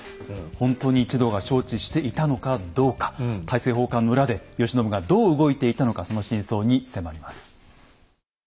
ほんとに一同が承知していたのかどうか大政奉還の裏で慶喜がどう動いていたのかその真相に迫ります。